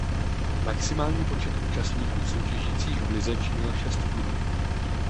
Maximální počet účastníků soutěžících v lize činil šest klubů.